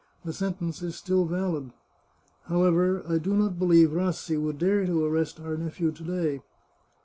The sentence is still valid. However, I do not be lieve Rassi would dare to arrest our nephew to day.